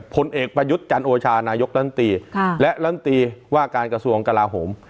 ผลเอกประยุทธ์จันโอชานายกรัฐมนตรีและลำตีว่าการกระทรวงกลาโหม